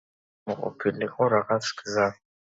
უნდა ყოფილიყო რაღაც გზა.